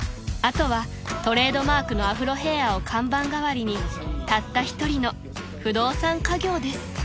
［あとはトレードマークのアフロヘアを看板代わりにたった一人の不動産稼業です］